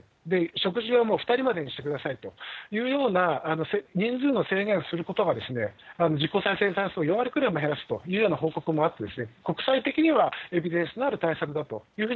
食事はもう２人までにしてくださいというような、人数の制限をすることが実効再生産数を４割ぐらい減らすというような報告もあって、国際的にはエビデンスのある対策だというふう